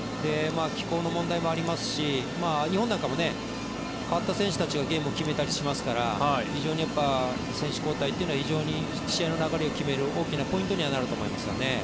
気候の問題もありますし日本なんかも代わった選手たちがゲームを決めたりしますから非常に選手交代は非常に試合の流れを決める大きなポイントにはなると思いますよね。